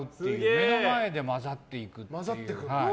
目の前で混ざっていくという。